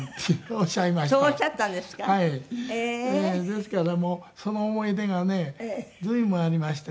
ですからもうその思い出がね随分ありましてね。